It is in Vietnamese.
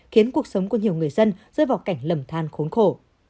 khiến cuộc sống của nhiều người dân rơi vào cảnh lầm than khốn khổ